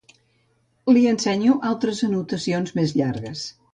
Li ensenyo altres anotacions més llargues.